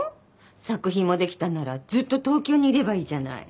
作品もできたんならずっと東京にいればいいじゃない。